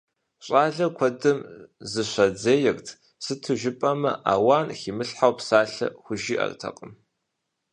ЩӀалэм куэдым зыщадзейрт, сыту жыпӀэмэ ауан химылъхьэу псалъэ хужыӀэртэкъым.